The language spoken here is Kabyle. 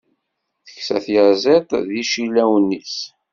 Teksa tyaziḍt d yicillawen-is.